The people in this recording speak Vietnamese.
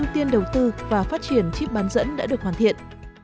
ưu tiên đầu tư và phát triển chiếc bán dẫn đã được hoàn thiện